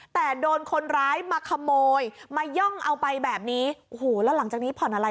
แต่โดนคนร้ายมาขโมยมาย่องเอาไปแบบนี้โอ้โหแล้วหลังจากนี้ผ่อนอะไร